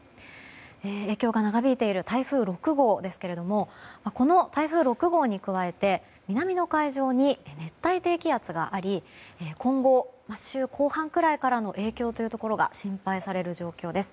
影響が長引いている台風６号ですけれどもこの台風６号に加えて南の海上に熱帯低気圧があり今後、週後半くらいからの影響が心配される状況です。